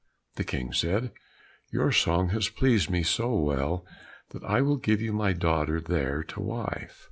The King said, "Your song has pleased me so well that I will give you my daughter there, to wife."